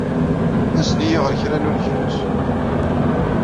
Azen-iyi ɣer kra n uneglus!